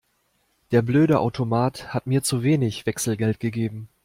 Der blöde Automat hat mir zu wenig Wechselgeld gegeben.